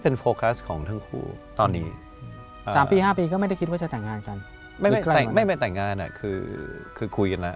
๓ปี๕ปีก็ไม่ได้คิดว่าจะแต่งงานกัน